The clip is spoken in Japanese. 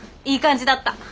いい感じだった。